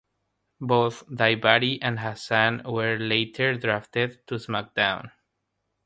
Both Daivari and Hassan were later drafted to SmackDown!